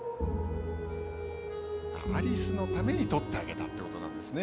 アリスのために取ってあげたということですね。